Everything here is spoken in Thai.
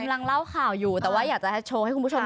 กำลังเล่าข่าวอยู่แต่อยากจะโชคให้คุณผู้ชม